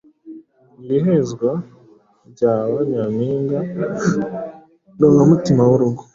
Iri hezwa rya ba nyampinga na ba mutima w’urugo